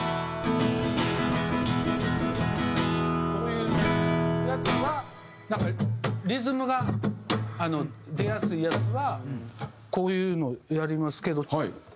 こういうやつにはリズムが出やすいやつはこういうのをやりますけど。